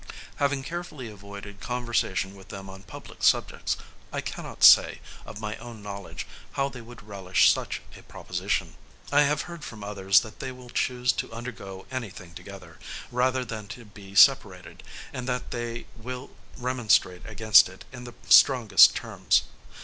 Having carefully avoided conversation with them on public subjects, I cannot say, of my own knowledge, how they would relish such a proposition. I have heard from others, that they will choose to undergo any thing together, rather than to be separated, and that they will remonstrate against it in the strongest terms.